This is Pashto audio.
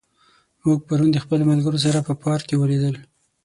موږ پرون د خپلو ملګرو سره په پارک کې ولیدل.